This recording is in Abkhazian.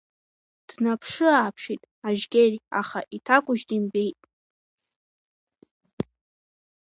Днаԥшы-ааԥшит Ажьгьери, аха иҭакәажә димбеит.